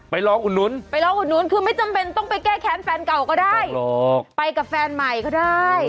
ไปร้องตรงนู้นคือไม่จำเป็นต้องไปแก้ไข้แฟนเก่าก็ได้ไปกับแฟนใหม่ก็ได้